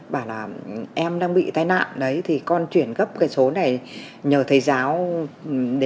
bảo là em đang bị tai nạn đấy thì con chuyển gấp cái số này nhờ thầy giáo